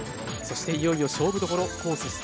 そしていよいよ勝負どころコース